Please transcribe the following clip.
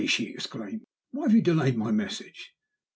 she exclaimed, "why have you delayed my message?